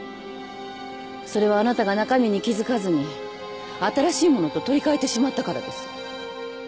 それはあなたが中身に気付かずに新しいものと取り換えてしまったからです。